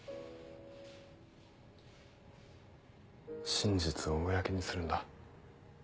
真実を公にするんだ。